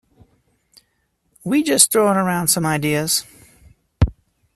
We just throwing around some ideas.